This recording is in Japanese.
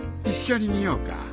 一緒に見ようか。